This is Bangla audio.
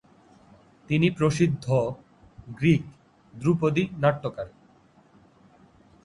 তিনি প্রসিদ্ধ গ্রিক ধ্রুপদী নাট্যকার।